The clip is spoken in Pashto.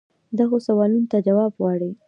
دغو سوالونو ته جواب غواړي.